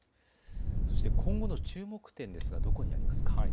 そして今後の注目点ですがどこになりますか。